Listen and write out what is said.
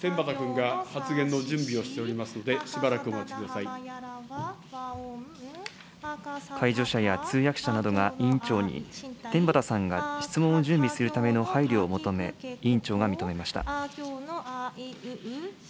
天畠君が発言の準備をしておりますので、しばらくお待ちくだ介助者や通訳者などが、委員長に天畠さんが質問を準備するための配慮を求め、委員長が認めました。